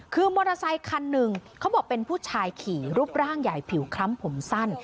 คือมอเตอร์ไซคันหนึ่งเขาบอกเป็นผู้ชายขี่รูปร่างใหญ่ผิวคล้ำผมสั้น